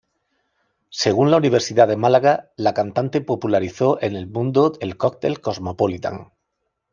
Según la Universidad de Málaga, la cantante popularizó en el mundo el cóctel Cosmopolitan.